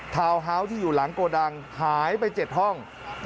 วนเฮาวส์ที่อยู่หลังโกดังหายไป๗ห้อง